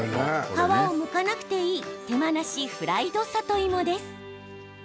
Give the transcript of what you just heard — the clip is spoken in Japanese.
皮をむかなくていい手間なしフライド里芋です。